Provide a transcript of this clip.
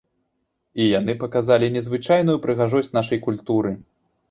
І яны паказалі незвычайную прыгажосць нашай культуры.